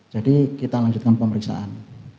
jadi kita lanjutkan pemeriksaan